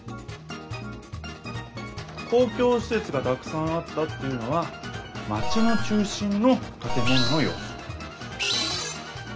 「公共しせつがたくさんあった」っていうのはまちの中心のたて物のようす。